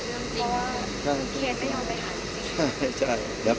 พี่อัดมาสองวันไม่มีใครรู้หรอก